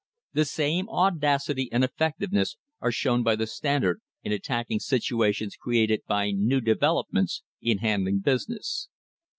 The same audacity and effectiveness are shown by the Standard in attacking situations created by new developments in handling business.